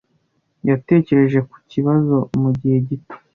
Yatekereje ku kibazo mu gihe gito.